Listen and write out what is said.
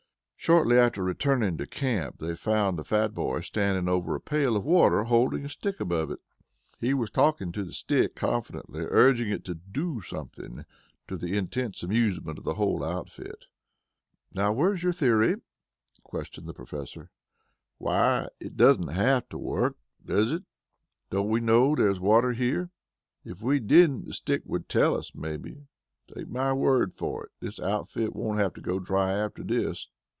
Shortly after returning to camp, they found the fat boy standing over a pail of water holding the stick above it. He was talking to the stick confidentially, urging it to "do something," to the intense amusement of the whole outfit. "Now, where's your theory?" questioned the Professor. "Why, it doesn't have to work, does it? Don't we know there's water here? If we didn't the stick would tell us, maybe. Take my word for it, this outfit won't have to go dry after this.